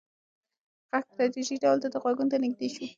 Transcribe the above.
غږ په تدریجي ډول د ده غوږونو ته نږدې شو.